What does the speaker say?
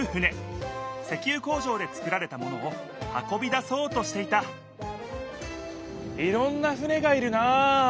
石ゆ工場で作られたものを運びだそうとしていたいろんな船がいるなあ！